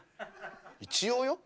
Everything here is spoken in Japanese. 一応よ。